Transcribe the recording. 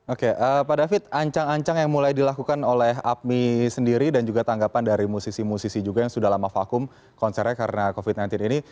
oke pak david ancang ancang yang mulai dilakukan oleh apmi sendiri dan juga tanggapan dari musisi musisi juga yang sudah lama vakum konsernya karena covid sembilan belas ini